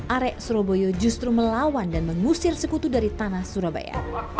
arek surabaya justru melawan dan mengusir sekutu dari tanah surabaya